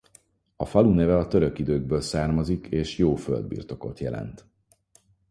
A falu neve a török időkből származik és jó földbirtokot jelent.